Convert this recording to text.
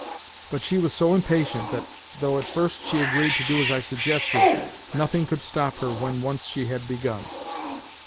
But she was so impatient that, though at first she agreed to do as I suggested, nothing could stop her when once she had begun.